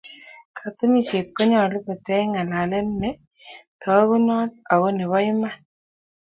Katunisyet konyolu koteech ng'alalet ne togunot ako nebo iman.